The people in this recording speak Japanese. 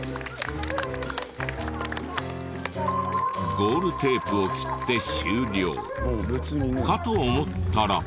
ゴールテープを切って終了かと思ったら。